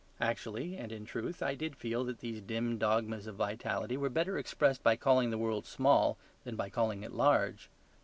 Actually and in truth I did feel that these dim dogmas of vitality were better expressed by calling the world small than by calling it large.